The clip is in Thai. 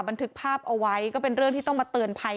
บันทึกภาพเอาไว้ก็เป็นเรื่องที่ต้องมาเตือนภัย